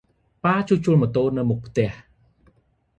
ប៉ាជួសជុលម៉ូតូនៅមុខផ្ទះ។